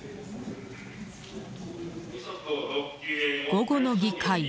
午後の議会。